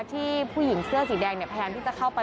ที่ผู้หญิงเสื้อสีแดงเนี่ยทีนี่แพรม